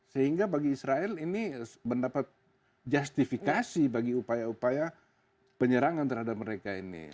sehingga bagi israel ini mendapat justifikasi bagi upaya upaya penyerangan terhadap mereka ini